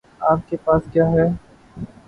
آپ کے پاس کیا ہے؟